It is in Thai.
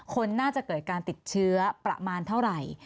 คนน่าจะเกิดการติดเชื้อประมาณเท่าไหร่